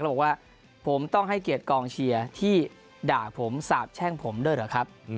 บอกว่าผมต้องให้เกียรติกองเชียร์ที่ด่าผมสาบแช่งผมด้วยเหรอครับ